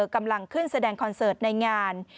กำลังขึ้นแสดงคอนเสิร์ตในงาน